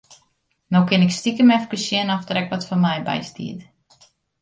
No kin ik stikem efkes sjen oft der ek wat foar my by stiet.